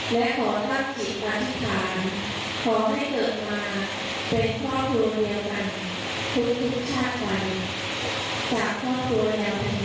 และขอธรรมกี่ประชาการขอให้เกิดมาเป็นพ่อที่โบรณียังขาดคุณพุทธชาติไว้จากข้องกับ